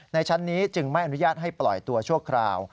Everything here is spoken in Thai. ชั้นนี้จึงไม่อนุญาตให้ปล่อยตัวชั่วคราว